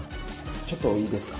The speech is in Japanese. ちょっといいですか？